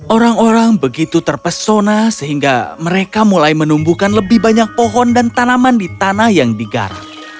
orang orang begitu terpesona sehingga mereka mulai menumbuhkan lebih banyak pohon dan tanaman di tanah yang digarap